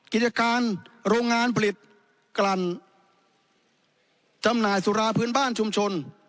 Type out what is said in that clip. กิจการโรงงานผลิตกลั่นจำหน่ายสุราพื้นบ้านชุมชน